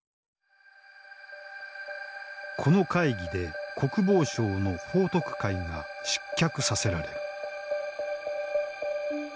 この会議で国防相の彭徳懐が失脚させられる。